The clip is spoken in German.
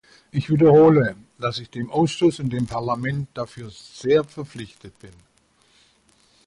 Ich wiederhole, dass ich dem Ausschuss und dem Parlament dafür sehr verpflichtet bin.